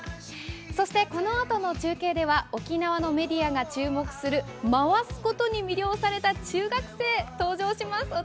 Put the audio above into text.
そして、このあとの中継では沖縄のメディアが注目する回すことに魅了された中学生、登場します。